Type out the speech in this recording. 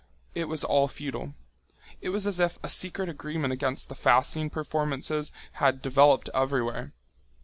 It was all futile. It was as if a secret agreement against the fasting performances had developed everywhere.